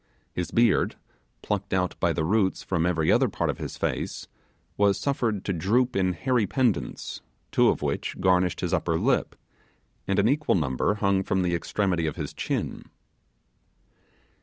His beard, plucked out by the root from every other part of his face, was suffered to droop in hairy pendants, two of which garnished his under lip, and an equal number hung from the extremity of his chin.